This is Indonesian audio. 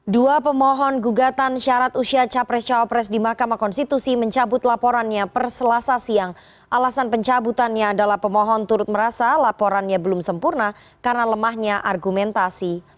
dua pemohon gugatan syarat usia capres cawapres di mahkamah konstitusi mencabut laporannya perselasa siang alasan pencabutannya adalah pemohon turut merasa laporannya belum sempurna karena lemahnya argumentasi